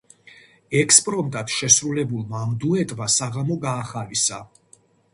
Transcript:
ექსპრომტად შესრულებულმა ამ დუეტმა საღამო გაახალისა.